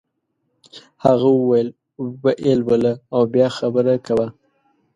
هغه وویل ویې لوله او بیا خبره کوه.